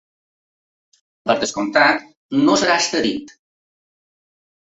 Per descomptat, no serà extradit.